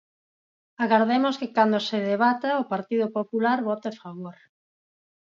Agardemos que cando se debata o Partido Popular vote a favor.